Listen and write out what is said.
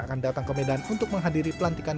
akan datang ke medan untuk menghadiri pelantikan